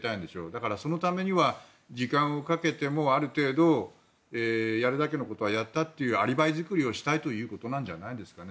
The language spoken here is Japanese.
だから、そのためには時間をかけてもある程度、やるだけのことはやったというアリバイ作りをしたいということなんじゃないですか。